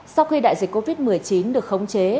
sau khi đại dịch covid một mươi chín được khống chế